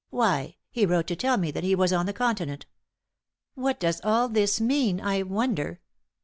"Why, he wrote to tell me that he was on the Continent. What does all this mean, I wonder?"